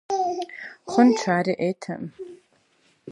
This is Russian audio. Ладно, это было неплохо.